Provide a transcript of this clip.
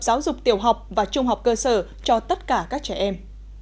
giáo dục tiểu học và trung học cơ sở cho tất cả các trẻ em